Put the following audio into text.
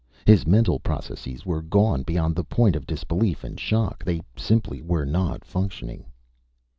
His mental processes were gone beyond the point of disbelief and shock; they simply were not functioning.